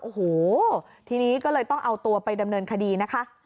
โอ้โหทีนี้ก็เลยต้องเอาตัวไปดำเนินคดีนะคะ